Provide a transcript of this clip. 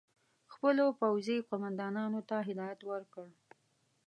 خپلو پوځي قوماندانانو ته هدایت ورکړ.